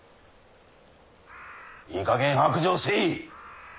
いいかげん白状せい。